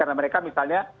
karena mereka misalnya